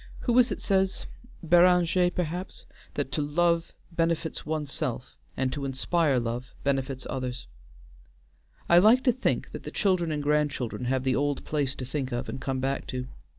Who is it says Béranger perhaps that to love benefits one's self, and to inspire love benefits others. I like to think that the children and grandchildren have the old place to think of and come back to.